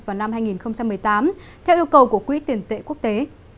vào năm hai nghìn một mươi tám theo yêu cầu của quỹ tiền tệ quốc tế